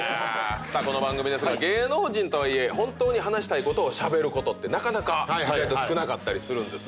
この番組ですが芸能人とはいえ本当に話したいことをしゃべることってなかなか少なかったりするんです。